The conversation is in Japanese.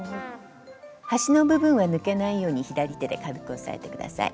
端の部分は抜けないように左手で軽く押さえて下さい。